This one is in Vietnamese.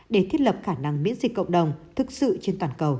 để thiết lập khả năng miễn dịch cộng đồng thực sự trên toàn cầu